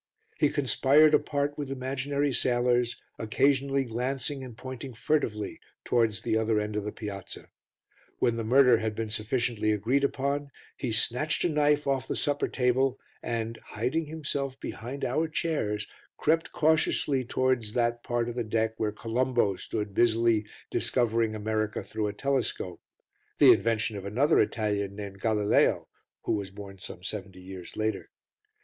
He conspired apart with imaginary sailors, occasionally glancing and pointing furtively towards the other end of the piazza. When the murder had been sufficiently agreed upon, he snatched a knife off the supper table and, hiding himself behind our chairs, crept cautiously towards that part of the deck where Colombo stood busily discovering America through a telescope, the invention of another Italian named Galileo (who was born some seventy years later).